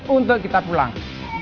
untuk kita pulang